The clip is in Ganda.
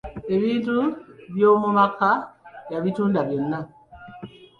Ebintu eby'omu maka yabitunda byonna.